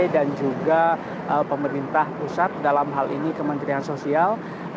dan juga pemerintah pusat dalam hal ini kementerian sosial